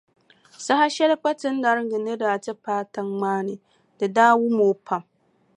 Saha shɛli Kpatinariŋga ni daa ti paai tiŋa maa ni, di daa wum o pam.